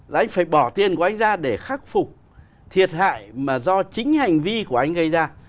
là anh phải bỏ tiền của anh ra để khắc phục thiệt hại mà do chính hành vi của anh gây ra